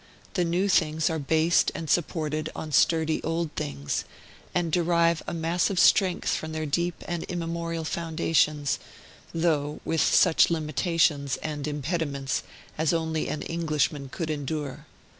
The new things are based and supported on sturdy old things, and derive a massive strength from their deep and immemorial foundations, though with such limitations and impediments as only an Englishman could endure.